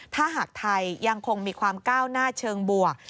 ถ้าหากไทยยังคงมีความก้าวหน้าเชิงบวก